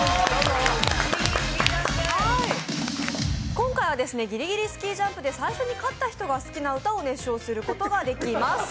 今回は「ぎりぎりスキージャンプ」で最初に勝った人が好きな歌を熱唱することができます。